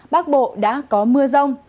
bắc bộ đã có mưa rông